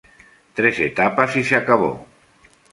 Tres etapas y se acabó.